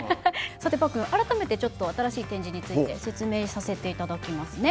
さてパックン改めてちょっと新しい展示について説明させていただきますね。